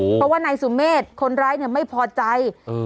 เพราะว่านายสุเมฆคนร้ายเนี่ยไม่พอใจอืม